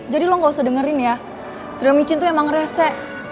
jadi lo gak usah dengerin ya triomicin tuh emang rese